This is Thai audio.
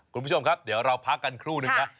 คุณผู้ชมครับเดี๋ยวเราพักกันครู่นึงนะ